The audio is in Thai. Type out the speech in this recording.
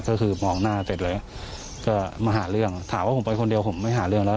ก็คือมองหน้าเสร็จเลยก็มาหาเรื่องถามว่าผมไปคนเดียวผมไม่หาเรื่องแล้ว